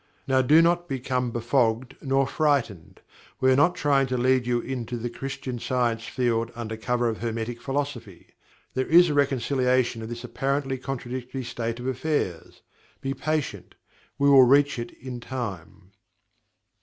Now do not become befogged, nor frightened we are not trying to lead you into the Christian Science field under cover of Hermetic Philosophy. There is a Reconciliation of this apparently contradictory state of affairs. Be patient, we will reach it in time.